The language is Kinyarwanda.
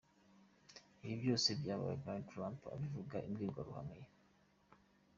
Ibi byose byabaye Donald Trump akivuga imbwirwaruhame ye.